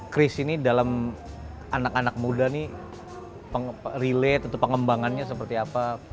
kris ini dalam anak anak muda nih relate atau pengembangannya seperti apa